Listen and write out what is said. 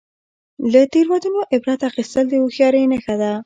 • له تیروتنو عبرت اخیستل د هوښیارۍ نښه ده.